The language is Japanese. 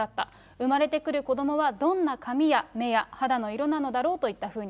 生まれてくる子どもはどんな髪や目や肌の色なのだろうといったふうに。